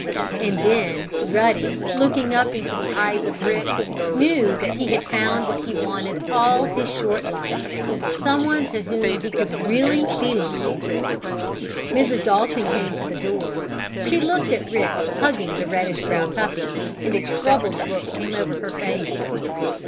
and then Ruddy, looking up into the eyes of Rick, knew that he had found what he wanted all his short life someone to whom he could really belong! Mrs. Dalton came to the door. She looked at Rick hugging the reddish brown puppy, and a troubled look came over her face.